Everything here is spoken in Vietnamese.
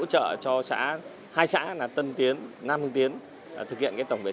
chiến sĩ có mặt tại hai xã tân tiến và nam phương tiến phối hợp với các đoàn thanh niên